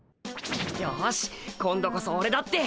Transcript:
よし今度こそオレだって。